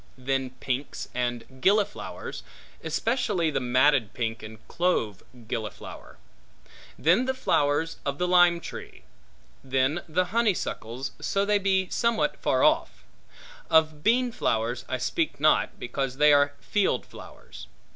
Then pinks and gilliflowers, especially the matted pink and clove gilliflower. Then the flowers of the lime tree. Then the honeysuckles, so they be somewhat afar off. Of beanflowers I speak not, because they are field flowers.